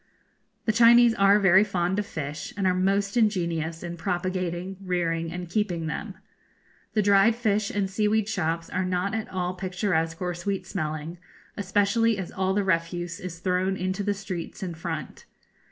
The Chinese are very fond of fish, and are most ingenious in propagating, rearing, and keeping them. The dried fish and seaweed shops are not at all picturesque or sweet smelling, especially as all the refuse is thrown into the streets in front.